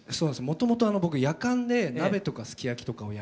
もともと僕やかんで鍋とかすき焼きとかをやるぐらい。